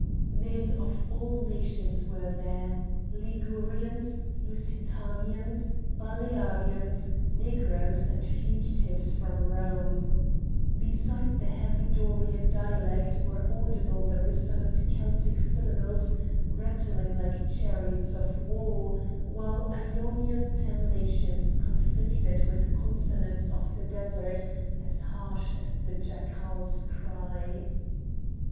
Men of all nations were there, Ligurians, Lusitanians, Balearians, Negroes, and fugitives from Rome. Beside the heavy Dorian dialect were audible the resonant Celtic syllables rattling like chariots of war, while Ionian terminations conflicted with consonants of the desert as harsh as the jackal's cry.